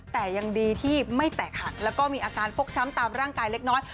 แต่ยังดีที่ไม่แตกหักแล้วก็มีอาการฟกช้ำตามร่างกายเล็กน้อย